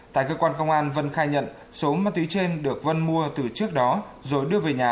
tại cơ quan công an vân khai nhận số ma túy trên được vân mua từ trước đó rồi đưa về nhà